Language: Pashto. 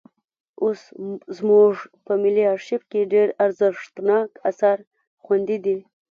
اوس زموږ په ملي ارشیف کې ډېر ارزښتناک اثار خوندي دي.